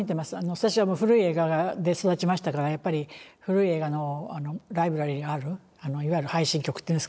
私は古い映画で育ちましたからやっぱり古い映画のライブラリーがあるいわゆる配信局っていうんですか。